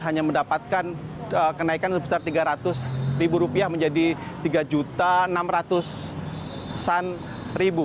hanya mendapatkan kenaikan sebesar rp tiga ratus menjadi rp tiga enam ratus